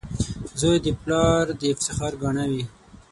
• زوی د پلار د افتخار ګاڼه وي.